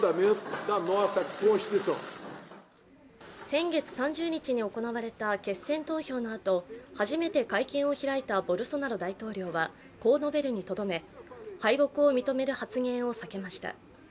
先月３０日に行われた決選投票のあと、初めて会見を開いたボルソナロ大統領はこう述べるにとどめ敗北を認める発言を避けました。